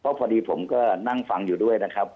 พอดีผมก็นั่งฟังอยู่ด้วยนะครับ